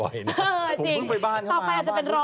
เออจริงต่อไปอาจจะเป็นร้อยผมเพิ่งไปบ้านเข้ามา